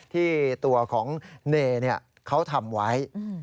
ที่ตัวของเนเขาทำไว้